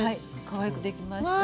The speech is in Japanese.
かわいくできました。